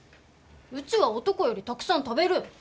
うちは男よりたくさん食べる！